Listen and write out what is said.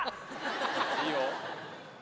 いいよ。